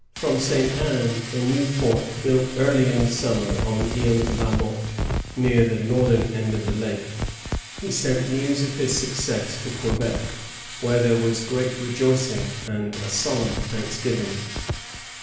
From St. Anne, a new fort built early in the summer on Isle La Motte, near the northern end of the lake, he sent news of his success to Quebec, where there was great rejoicing and a solemn thanksgiving.